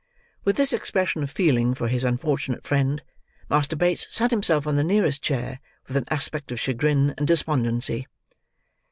With this expression of feeling for his unfortunate friend, Master Bates sat himself on the nearest chair with an aspect of chagrin and despondency.